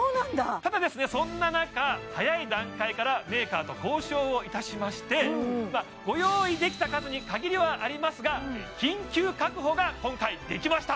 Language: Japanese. ただそんな中早い段階からメーカーと交渉をいたしましてご用意できた数に限りはありますが緊急確保が今回できました！